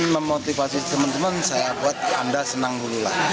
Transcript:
memotivasi teman teman saya buat anda senang dulu lah